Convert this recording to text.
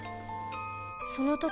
その時